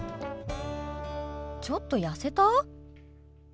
ちょっと痩せた？